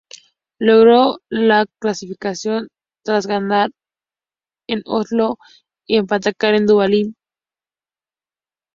Logró la clasificación tras ganar en Oslo y empatar en Dublín.